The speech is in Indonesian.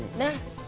nah salah tuh